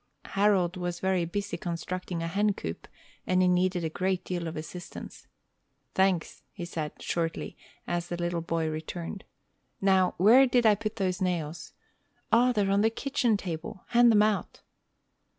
Harold was very busy constructing a hen coop, and he needed a great deal of assistance. "Thanks," he said, shortly, as the little boy returned. "Now, where did I put those nails? O, they're on the kitchen table! Hand them out."